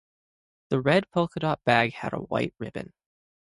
The red polka-dot bag had a white ribbon.